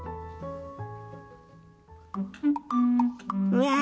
うわ。